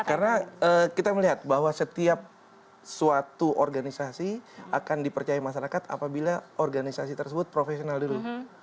karena kita melihat bahwa setiap suatu organisasi akan dipercaya masyarakat apabila organisasi tersebut profesional dulu